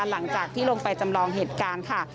หลังจากที่ลงไปจำลองเหตุการณ์ค่ะ